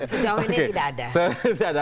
sejauh ini tidak ada